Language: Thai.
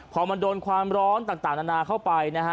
พอมันโดนความร้อนต่างนานาเข้าไปนะฮะ